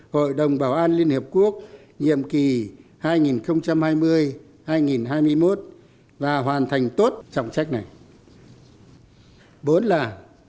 hội đồng bảo an liên hiệp quốc nhiệm kỳ hai nghìn hai mươi hai nghìn hai mươi một và hoàn thành tốt trọng trách này